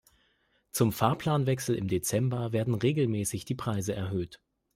Zum Fahrplanwechsel im Dezember werden regelmäßig die Preise erhöht.